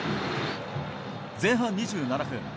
前半２７分。